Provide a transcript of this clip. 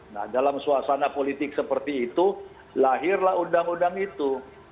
nah dalam suasana politik seperti itu lahirlah undang undang itu